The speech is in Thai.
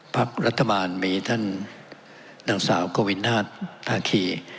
ภักดิ์รัฐบาลมีท่านดังสาวกวินธาตุภาคี